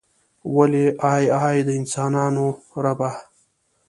ولې ای ای د انسانانو ربه.